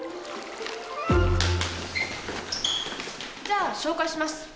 じゃあ紹介します。